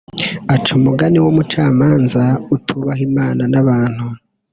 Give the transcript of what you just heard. aca umugani w’ umucamanza atubaha Imana n’ abantu